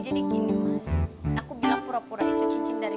jadi gini mas aku bilang pura pura itu cincin dari mas